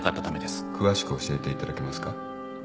詳しく教えていただけますか。